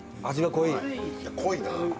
濃いな。